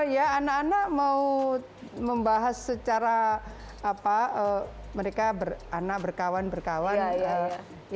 ya anak anak mau membahas secara apa mereka beranak berkawan berkawan ya karena itu kan terbuka ya informasinya